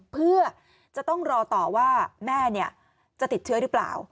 เพื่อจะต้องรอต่อว่าแม่จะติดเชื้อหรือเปล่า